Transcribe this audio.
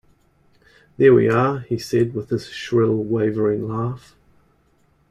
"There we are," he said, with his shrill, wavering laugh.